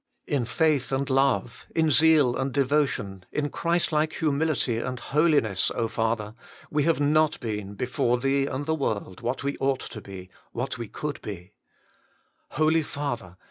In faith and love, in zeal and devotion, in Christlike humility and holiness, Father ! we have not been, before Thee and the world, what we ought to be, what we could be. Holy Father